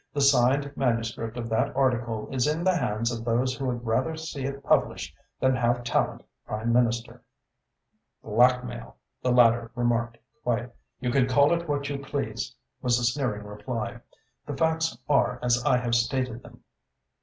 "The signed manuscript of that article is in the hands of those who would rather see it published than have Tallente Prime Minister." "Blackmail," the latter remarked quietly. "You can call it what you please," was the sneering reply. "The facts are as I have stated them."